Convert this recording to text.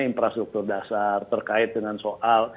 infrastruktur dasar terkait dengan soal